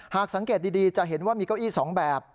หากสังเกตดีจะเห็นว่ามีเก้าอี้๒แบบ